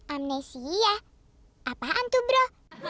amnesia apaan tuh bro